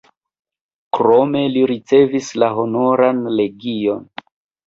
Krome li ricevis la Honoran Legion.